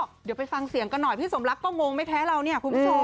เดี๋ยวไปฟังเสียงกันหน่อยพี่สมรักก็งงไม่แพ้เราเนี่ยคุณผู้ชม